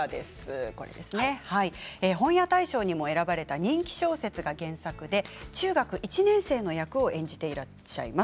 本屋大賞にも選ばれた人気小説が原作で中学１年生の役を演じていらっしゃいます。